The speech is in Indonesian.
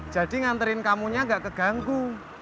jadi nganterin kamu gak keganggu